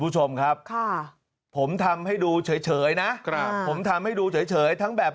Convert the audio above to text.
คุณผู้ชมครับค่ะผมทำให้ดูเฉยนะครับผมทำให้ดูเฉยทั้งแบบ